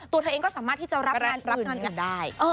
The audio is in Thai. ตัวเธอเองก็สามารถที่จะรับงานอื่นด้าย